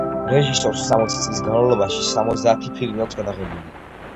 რეჟისორს სამოცი წლის განმავლობაში სამოცდაათი ფილმი აქვს გადაღებული.